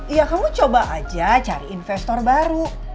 ya kamu coba aja cari investor baru